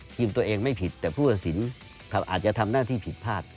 ทีมตัวเองไม่ผิดแต่ผู้ตัดสินอาจจะทำหน้าที่ผิดพลาด